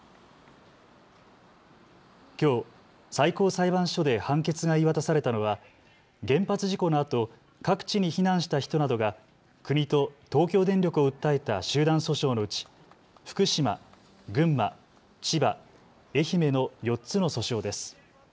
きょう、最高裁判所で判決が言い渡されたのは原発事故のあと各地に避難した人などが国と東京電力を訴えた集団訴訟のうち福島、群馬、千葉、愛媛の４つの訴訟です。